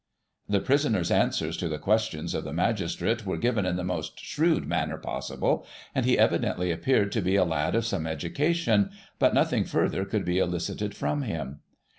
The prisoner's answers to the questions of the magistrate were given in the most shrewd manner possible, and he evidently appeared to be a lad of some education, but nothing further could be elicited from him.